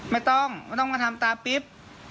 ไม่ต้องไม่ต้องมาทำตาปิ๊บ